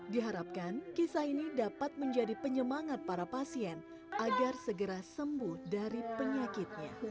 diharapkan kisah ini dapat menjadi penyemangat para pasien agar segera sembuh dari penyakitnya